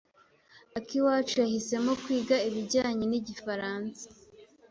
Akiwacu yahisemo kwiga ibijyanye n’igifaransa.